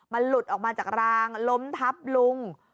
มันหลุดออกมาจากรางล้มทับลุง